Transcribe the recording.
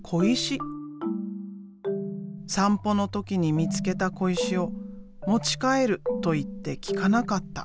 散歩の時に見つけた小石を持ち帰ると言って聞かなかった。